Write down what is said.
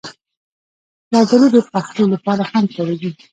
زردالو د پخلي لپاره هم کارېږي.